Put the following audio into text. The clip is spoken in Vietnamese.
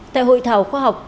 tại hội thảo khoa học